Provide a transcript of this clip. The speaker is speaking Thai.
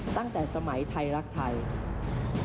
ตั้งแต่สมัยไทยรักไทย